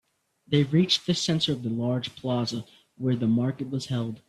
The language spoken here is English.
They reached the center of a large plaza where the market was held.